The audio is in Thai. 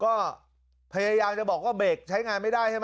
ก็พยายามจะบอกว่าเบรกใช้งานไม่ได้ใช่ไหม